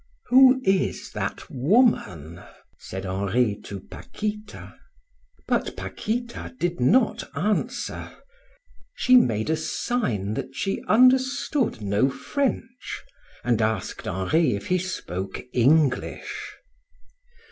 "Who is that woman?" said Henri to Paquita. But Paquita did not answer. She made a sign that she understood no French, and asked Henri if he spoke English.